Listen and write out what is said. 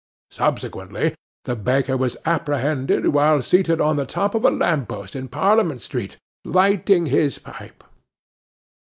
Subsequently, the baker was apprehended while seated on the top of a lamp post in Parliament Street, lighting his pipe.